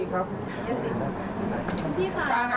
ขอบคุณพี่ด้วยนะครับ